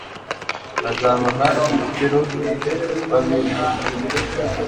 bazabona umukiro w'ab'ijuru